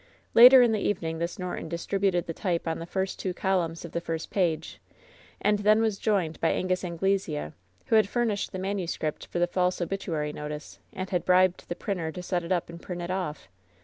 Later in the evening this Norton distributed the type on the first two columns of the first page, and then was joined by Angus Anglesea, who had furnished the manuscript for the false obituary notice, and had bribed the printer to set it up and print it off.